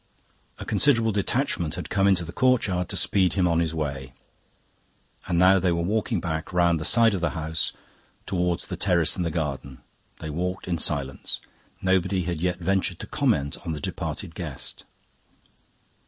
A considerable detachment had come into the courtyard to speed him on his way; and now they were walking back, round the side of the house, towards the terrace and the garden. They walked in silence; nobody had yet ventured to comment on the departed guest.